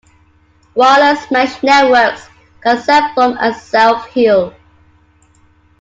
Wireless mesh networks can self form and self heal.